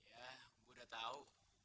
ya gue udah tahu